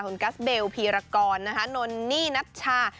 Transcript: คุณกัสเบลพีรกรนะคะนนนี่นัชชา